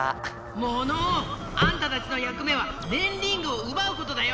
モノオ！あんたたちのやく目はねんリングをうばうことだよ！